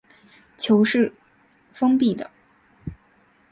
球可以是封闭的。